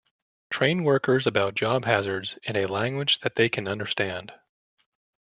Train workers about job hazards in a language that they can understand.